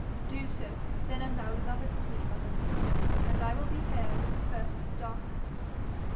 'Do so then an' thou lovest me, mother Rees, and I will be here with the first of the darkness.'